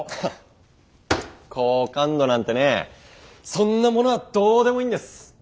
ハッ好感度なんてねそんなものはどうでもいいんです。